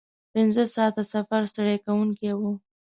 پنځه ساعته سفر ستړی کوونکی و.